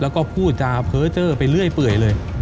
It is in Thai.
แล้วก็พูดจาเพ้อเจอร์ไปเรื่อยเปื่อยเลย